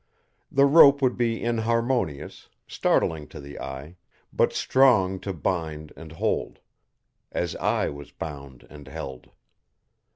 The rope would be inharmonious, startling to the eye, but strong to bind and hold. As I was bound and held!